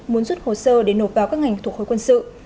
muốn rút hồ sơ để nộp vào các ngành thuộc khối quân sự